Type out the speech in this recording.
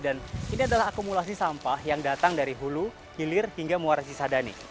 dan ini adalah akumulasi sampah yang datang dari hulu gilir hingga muara cisadane